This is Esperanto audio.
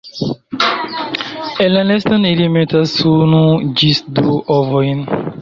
En la neston ili metas unu ĝis du ovojn.